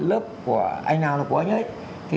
lớp của anh nào là của anh ấy